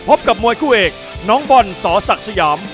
กับมวยคู่เอกน้องบอลสอศักดิ์สยาม